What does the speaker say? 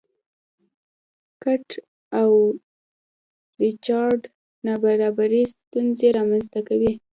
کیټ او ریچارډ نابرابري ستونزې رامنځته کوي.